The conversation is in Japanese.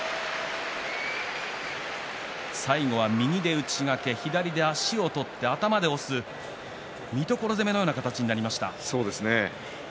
最後は右で内掛け左差しを取って頭で押す三所攻めのような形になりました。